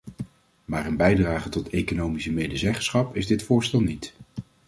Maar een bijdrage tot economische medezeggenschap is dit voorstel niet.